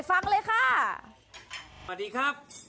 สวัสดีครับ